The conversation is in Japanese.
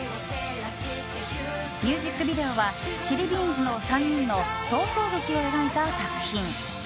ミュージックビデオはＣｈｉｌｌｉＢｅａｎｓ．の３人の逃走劇を描いた作品。